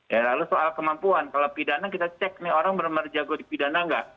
ya lalu soal kemampuan kalau pidana kita cek nih orang benar benar jago di pidana nggak